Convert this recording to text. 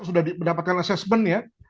sudah mendapatkan assessment ya